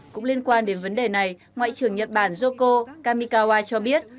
cũng liên quan đến vấn đề này ngoại trưởng nhật bản joko kamikawa cho biết